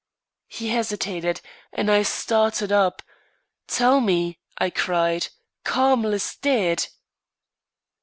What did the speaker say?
He hesitated, and I started up: "Tell me," I cried. "Carmel is dead!"